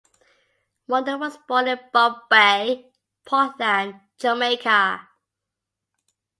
Wonder was born in Buff Bay, Portland, Jamaica.